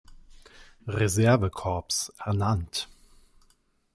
Reserve-Korps ernannt.